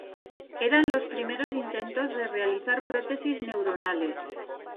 Eran los primeros intentos de realizar prótesis neuronales.